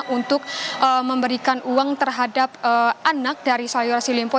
untuk dalam perkembangan fossil roglyph